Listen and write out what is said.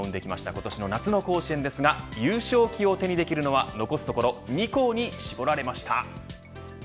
今年の夏の甲子園ですが優勝旗を手にできるのは残すところ２校に絞られました。